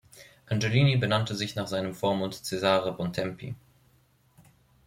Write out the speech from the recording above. Angelini benannte sich nach seinem Vormund Cesare Bontempi.